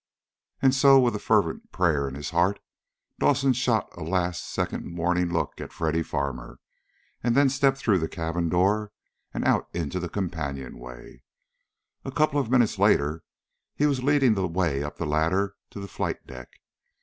And so, with a fervent prayer in his heart, Dawson shot a last second warning look at Freddy Farmer, and then stepped through the cabin door, and out into the companionway. A couple of minutes later he was leading the way up the ladder to the flight deck.